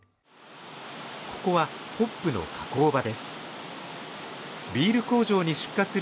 ここはホップの加工場です